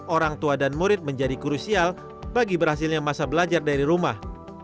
orang tua dan murid menjadi krusial bagi berhasilnya masa belajar dari rumah